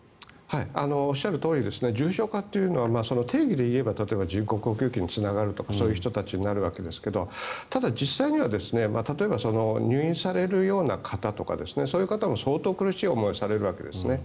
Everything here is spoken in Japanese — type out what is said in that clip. おっしゃるとおり重症化というのは定義で言えば例えば、人工呼吸器につながるとかそういう人たちになるわけですけどただ、実際には例えば入院されるような方とかそういう方も相当苦しい思いをされるんですね。